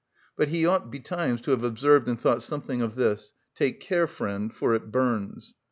But he ought betimes to have observed and thought something of this: "Take care, friend, for it burns."